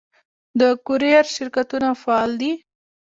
د کوریر شرکتونه فعال دي؟